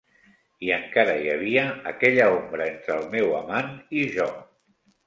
I encara hi havia aquella ombra entre el meu amant i jo.